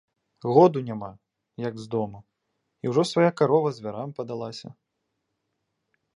Году няма, як з дому, і ўжо свая карова зверам падалася.